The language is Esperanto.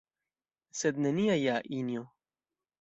Sed nenia ja, Injo!